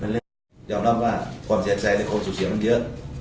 เดี๋ยวนับว่าความเสียใจในคนสุดเสียมากเยอะ